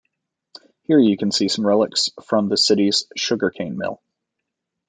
Here you can see some relics from the city's sugar cane mill.